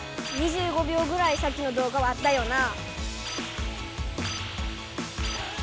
２５秒ぐらいさっきのどうがはあったよな。